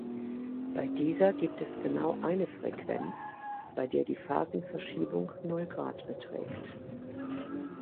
Bei dieser gibt es genau eine Frequenz, bei der die Phasenverschiebung null Grad beträgt.